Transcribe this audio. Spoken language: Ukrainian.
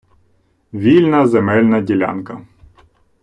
Вільна земельна ділянка.